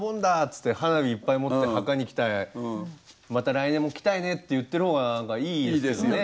つって花火いっぱい持って墓に来て「また来年も来たいね」って言ってる方がいいですよね